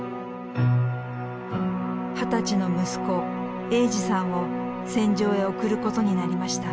二十歳の息子栄司さんを戦場へ送ることになりました。